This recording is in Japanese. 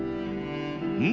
うん？